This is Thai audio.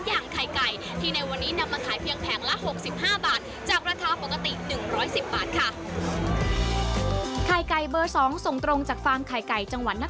อย่างไข่ไก่ที่ในวันนี้